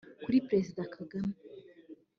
Kuri Perezida Kagame